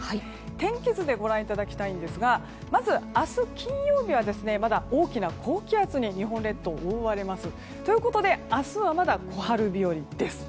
天気図でご覧いただきたいんですがまず明日、金曜日はまだ大きな高気圧に日本列島、覆われます。ということで明日はまだ小春日和です。